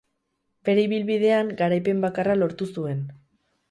Bere ibilbidean garaipen bakarra lortu zuen.